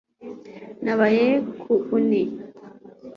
Nabaye ku une